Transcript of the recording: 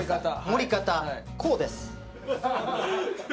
盛り方こうです。